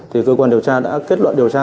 thì cơ quan điều tra đã kết luận điều tra